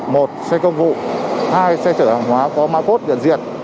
một xe công vụ hai xe chở hàng hóa có ma cốt nhận diện